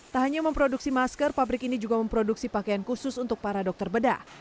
tak hanya memproduksi masker pabrik ini juga memproduksi pakaian khusus untuk para dokter bedah